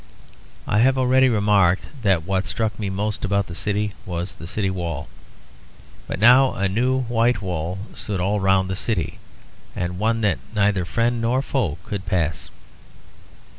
I have already remarked that what struck me most about the city was the city wall; but now a new white wall stood all round the city; and one that neither friend nor foe could pass.